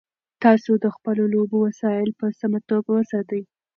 تاسو د خپلو لوبو وسایل په سمه توګه وساتئ.